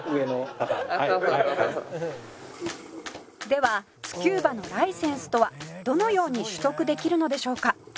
ではスキューバのライセンスとはどのように取得できるのでしょうか？」